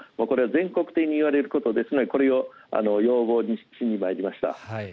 これは全国的に言われることなのでこれを要望しにまいりました。